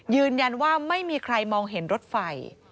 ยืนยันว่าไม่มีใครมองเห็นรถไฟ